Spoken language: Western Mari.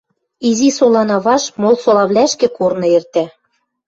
Изи солана вашт мол солавлӓшкӹ корны эртӓ.